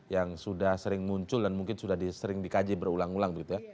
yang sudah sering muncul dan mungkin sudah disering dikaji berulang ulang begitu ya